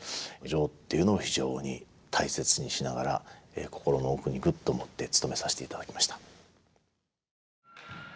「情」っていうのを非常に大切にしながら心の奥にぐっと持ってつとめさせていただきました。